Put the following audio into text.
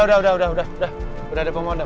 udah udah udah udah ada pemohon dam